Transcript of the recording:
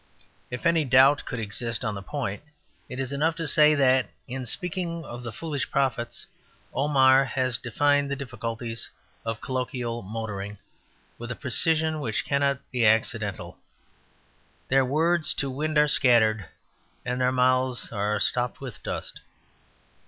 If any doubt could exist on the point, it is enough to say that, in speaking of the foolish profits, Omar has defined the difficulties of colloquial motoring with a precision which cannot be accidental. "Their words to wind are scattered; and their mouths are stopped with dust."